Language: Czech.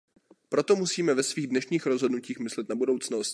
Proto musíme ve svých dnešních rozhodnutích myslet na budoucnost.